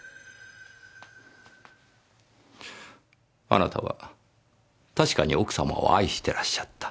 あなたは確かに奥様を愛してらっしゃった。